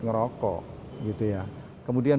ngerokok gitu ya kemudian